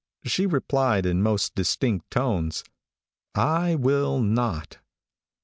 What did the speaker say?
she replied in most distinct tones, "I will not."